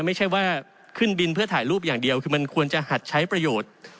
ไม่ใช่ว่าขึ้นบินเพื่อถ่ายรูปอย่างเดียวคือมันควรจะหัดใช้ประโยชน์